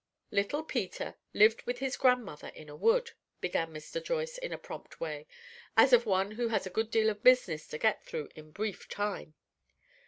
"Little Peter lived with his grandmother in a wood," began Mr. Joyce in a prompt way, as of one who has a good deal of business to get through in brief time.